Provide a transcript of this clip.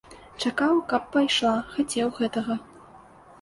Чакаў, каб пайшла, хацеў гэтага.